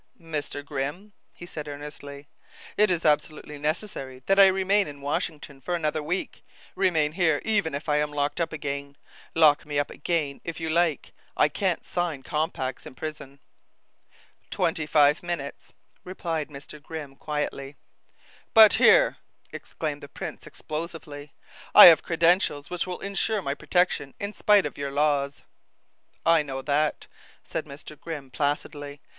"Mr. Grimm," he said earnestly, "it is absolutely necessary that I remain in Washington for another week remain here even if I am locked up again lock me up again if you like. I can't sign compacts in prison." "Twenty five minutes," replied Mr. Grimm quietly. "But here," exclaimed the prince explosively, "I have credentials which will insure my protection in spite of your laws." "I know that," said Mr. Grimm placidly.